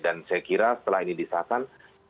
saya kira setelah ini disahkan